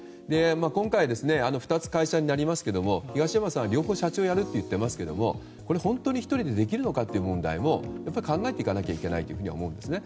今回、２つの会社になりますけども東山さんは両方社長をやると言っていますが本当に１人でできるのかという問題も考えていかなきゃいけないと思うんですね。